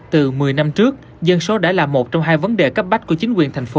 từ một mươi năm trước dân số đã là một trong hai vấn đề cấp bách của chính quyền thành phố